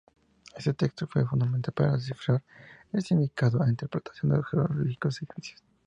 Ese texto fue fundamental para descifrar el significado e interpretación de los jeroglíficos egipcios.